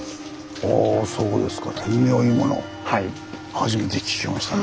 初めて聞きましたね。